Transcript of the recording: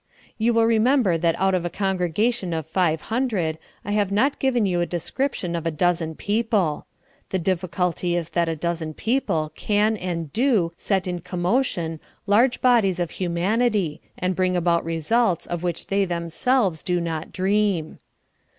You will remember that out of a congregation of five hundred I have not given you a description of a dozen people. The difficulty is that a dozen people can and do set in commotion large bodies of humanity, and bring about results of which they themselves do not dream.